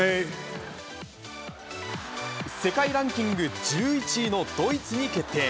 世界ランキング１１位のドイツに決定。